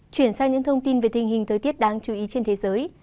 chuyển sang những thông tin về tình hình thời tiết đáng chú ý trên thế giới